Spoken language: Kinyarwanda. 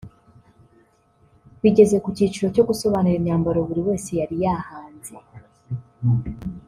Bigeze ku cyiciro cyo gusobanura imyambaro buri wese yari yahanze